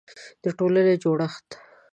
د ټولنې جوړښت